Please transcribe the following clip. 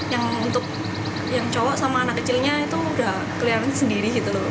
yang cowok sama anak kecilnya itu udah keliaran sendiri gitu loh